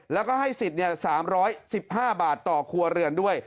แล้วก็ให้สิทธิ์๓๑๕บาทต่อครัวเรือนด้วย